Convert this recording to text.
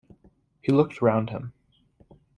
He looked round him.